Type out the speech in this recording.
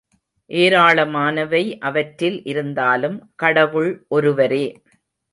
ஏராளமானவை அவற்றில் இருந்தாலும், கடவுள் ஒருவரே!